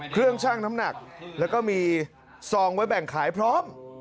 ช่างน้ำหนักแล้วก็มีซองไว้แบ่งขายพร้อม